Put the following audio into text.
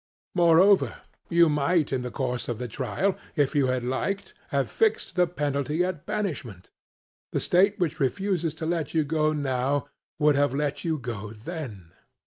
Moreover, you might in the course of the trial, if you had liked, have fixed the penalty at banishment; the state which refuses to let you go now would have let you go then.